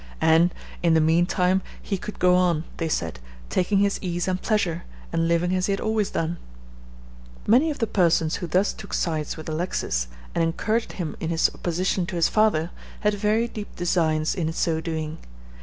And, in the mean time, he could go on, they said, taking his ease and pleasure, and living as he had always done. Many of the persons who thus took sides with Alexis, and encouraged him in his opposition to his father, had very deep designs in so doing.